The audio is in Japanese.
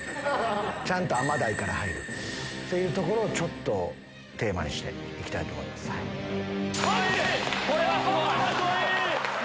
ちゃんと甘ダイから入るっていうところをちょっとテーマにしていこれはすごい。